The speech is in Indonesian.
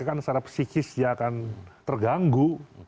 kan secara psikis dia akan terganggu